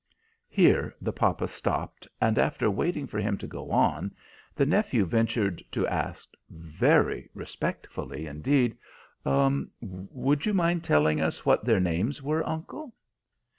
Here the papa stopped, and after waiting for him to go on, the nephew ventured to ask, very respectfully indeed, "Would you mind telling us what their names were, uncle?"